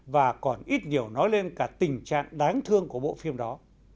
và còn ít nhiều nói lên cả tình trạng đáng thương của bộ phim đó